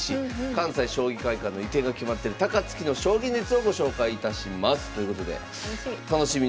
関西将棋会館の移転が決まってる高槻の将棋熱をご紹介いたします。ということで楽しみ。